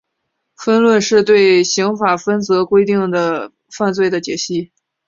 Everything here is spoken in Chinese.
分论是对刑法分则规定的犯罪的解析。